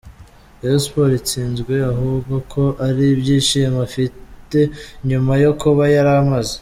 Rayon Sports itsinzwe ahubwo ko ari ibyishimo afite nyuma yo kuba yari amaze